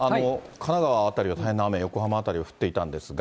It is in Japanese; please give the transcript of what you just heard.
神奈川辺りは大変な雨、横浜辺りは降っていたんですが。